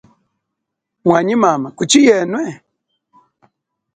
Mwanyi mama kuchi yenwe?